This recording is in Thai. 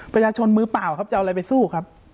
ประชาชนมือเปล่าครับจะเอาอะไรไปสู้ครับ